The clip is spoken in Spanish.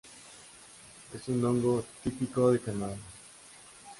Es un hongo típico de Canadá.